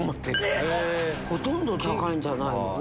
えっ⁉ほとんど高いんじゃないの？